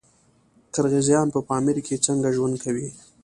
قرغیزان په پامیر کې څنګه ژوند کوي؟